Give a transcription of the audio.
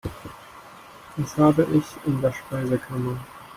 Was habe ich in der Speisekammer?